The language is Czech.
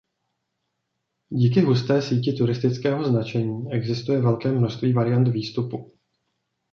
Díky husté síti turistického značení existuje velké množství variant výstupu.